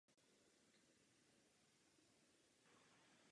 Svatý Michael je trojlodní bazilika s příčnou lodí.